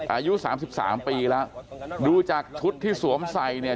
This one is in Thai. อายุ๓๓ปีแล้วดูจากชุดที่สวมใส่เนี่ย